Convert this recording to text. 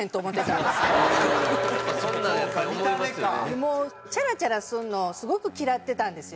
もうチャラチャラすんのすごく嫌ってたんですよ。